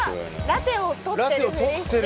ラテを撮ってるふりして。